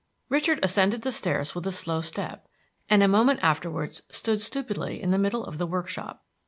Richard ascended the stairs with a slow step, and a moment afterwards stood stupidly in the middle of the workshop.